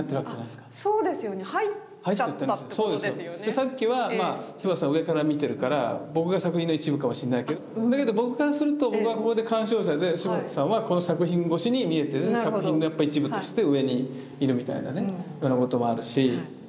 さっきは柴田さん上から見てるから僕が作品の一部かもしれないけどだけど僕からすると僕はここで鑑賞者で柴田さんはこの作品越しに見えてて作品の一部として上にいるみたいなねようなこともあるし。